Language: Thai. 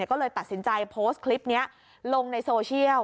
ก็เลยตัดสินใจโพสต์คลิปนี้ลงในโซเชียล